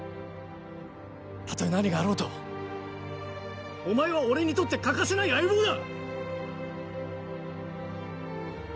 たとえ何があろうとお前は俺にとって欠かせない相棒だ！